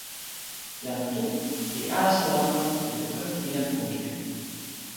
jan Tu li alasa lanpan e luka pi jan Kuntuli.